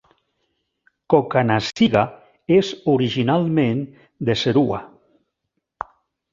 Cokanasiga és originalment de Serua.